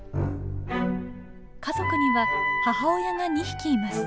家族には母親が２匹います。